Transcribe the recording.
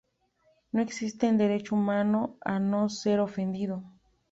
No existe el derecho humano a no ser ofendido".